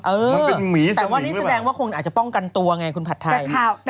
แต่ว่านี่แสดงว่าคนอาจจะป้องกันตัวไงคุณผัดไทย